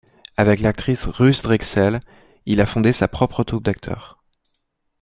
Avec l'actrice Ruth Drexel, il a fondé sa propre troupe d'acteurs.